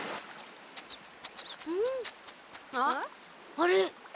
あれ？